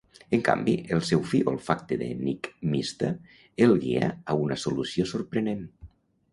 En canvi el seu fi olfacte d'enigmista el guia a una solució sorprenent.